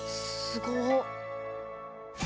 すごっ！